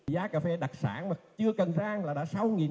giá cà phê đặc sản mà chưa cần răng là đã sáu bảy